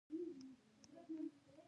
تضاد یو بل صنعت دئ، چي وینا ته ښکلا ورکوي.